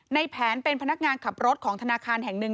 ในแผนเป็นพนักงานขับรถของธนาคารแห่งหนึ่ง